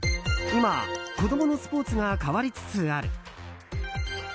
今、子供のスポーツが変わりつつある。